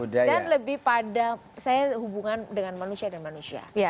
lebih pada saya hubungan dengan manusia dan manusia